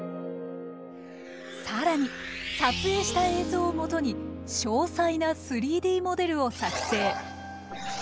更に撮影した映像を基に詳細な３Ｄモデルを作成。